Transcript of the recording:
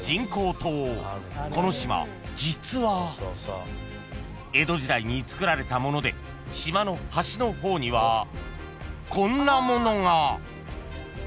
［この島実は江戸時代につくられたもので島の端の方にはこんな物が］